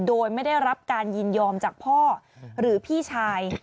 โดยไม่ได้รับการยินยอมจากพ่อหรือพี่ชาย